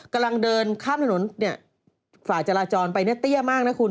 กำลังเดินข้ามถนนเนี่ยฝ่ายจราจรไปเนี่ยเตี้ยมากนะคุณ